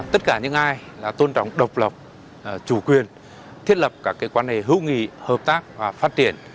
tất cả những ai tôn trọng độc lập chủ quyền thiết lập các quan hệ hữu nghị hợp tác và phát triển